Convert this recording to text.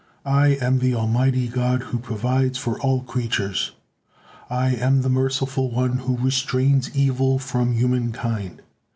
I am the Almighty God who provides for all creatures. I am the Merciful One who restrains evil from human kind.